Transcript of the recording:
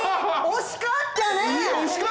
惜しかった何か。